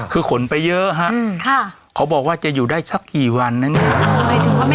คือขนไปเยอะฮะเขาบอกว่าจะอยู่ได้สักกี่วันนะเนี่ย